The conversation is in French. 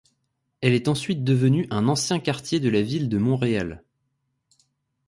Elle est ensuite devenue un ancien quartier de la ville de Montréal.